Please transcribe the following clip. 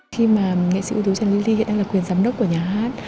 khi mà nghệ sĩ ưu tú trần lý ly hiện đang là quyền giám đốc của nhà hát